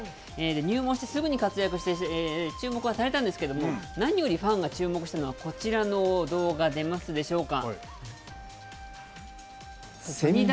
入門してすぐに活躍して注目はされたんですけども何よりファンが注目したのはこちらの動画出ますでしょうか。